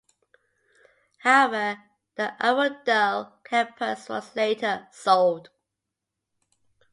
However, the Arundel campus was later sold.